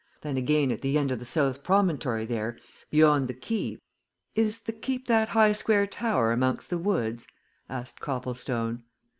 Then again at the end of the south promontory there, beyond the Keep " "Is the Keep that high square tower amongst the woods?" asked Copplestone.